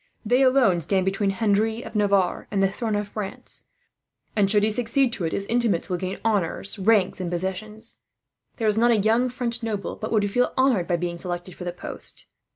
They alone stand between Henry of Navarre and the throne of France and, should he succeed to it, his intimates will gain honours, rank, and possessions. There is not a young noble but would feel honoured by being selected for the post.